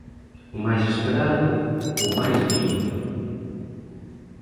O máis esperado, o máis mellor!